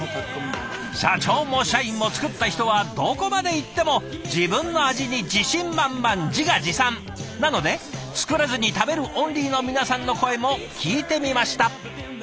社長も社員も作った人はどこまでいっても自分の味に自信満々自画自賛なので作らずに食べるオンリーの皆さんの声も聞いてみました。